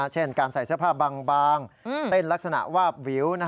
เช่นการใส่เสื้อผ้าบางเต้นลักษณะวาบวิว